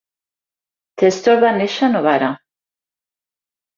Testore va néixer a Novara.